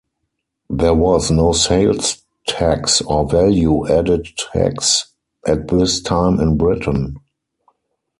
There was no sales tax or value added tax at this time in Britain.